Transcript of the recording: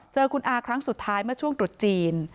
เจอคุณอาครั้งสุดท้ายเมื่อช่วงตรุษจีน